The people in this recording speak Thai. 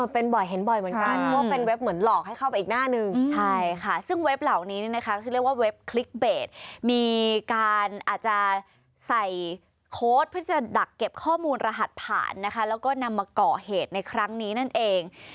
เป็นบ่อยเห็นบ่อยเหมือนกันว่าเป็นเว็บเหมือนหลอกให้เข้าไปอีกหน้านึง